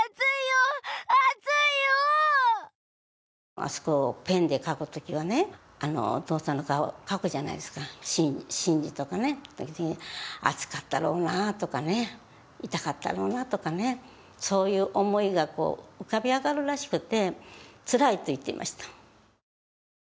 あそこ、ペンで描くときはね、お父さんの顔、描くじゃないですか進次とかね、熱かったろうなとかね、痛かったろうなとかね、そういう思いが浮かび上がるらしくて、つらいって言っていました。